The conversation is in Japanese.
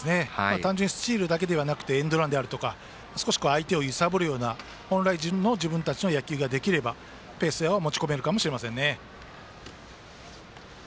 単純にスチールだけではなくてエンドランであるとか少し相手を揺さぶるような本来の自分たちの野球ができれば自分たちのペースに持ち込めるかもしれません。